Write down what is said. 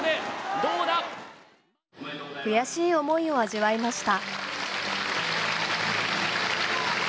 悔しい思いを味わいました。